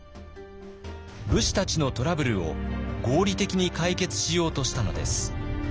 武士たちのトラブルを合理的に解決しようとしたのです。